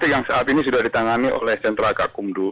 tapi yang saat ini sudah ditangani oleh sentra kak gundu